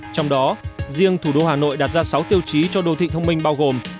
trong đó riêng thủ đô hà nội đặt ra sáu tiêu chí cho đô thị thông minh bao gồm